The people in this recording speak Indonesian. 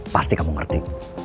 pasti kamu ngerti